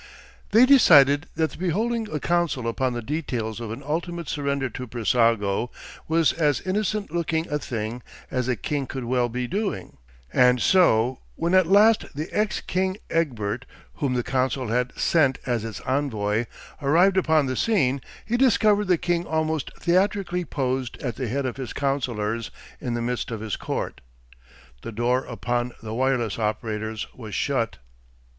They decided that to be holding a council upon the details of an ultimate surrender to Brissago was as innocent looking a thing as the king could well be doing, and so, when at last the ex king Egbert, whom the council had sent as its envoy, arrived upon the scene, he discovered the king almost theatrically posed at the head of his councillors in the midst of his court. The door upon the wireless operators was shut.